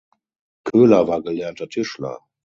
Köhler war gelernter Tischler.